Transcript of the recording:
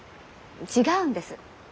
違うんです。